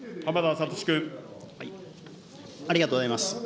ありがとうございます。